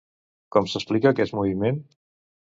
Com s'explica aquest moviment?